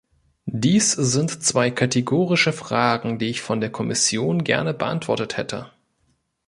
Dies sind zwei kategorische Fragen, die ich von der Kommission gerne beantwortet hätte.